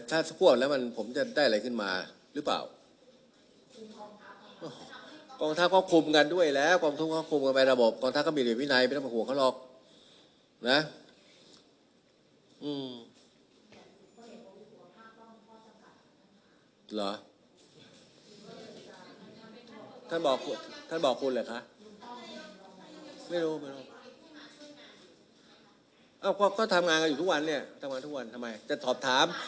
จะต่อไปรัฐบาลน่าจะมีรึเปล่าใครอยู่ใครไม่อยู่ใช่ไหมใจเย็น